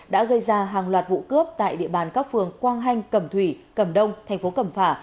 đã gây ra hàng loạt vụ cướp tại địa bàn các phường quang hanh cầm thủy cầm đông thành phố cầm phả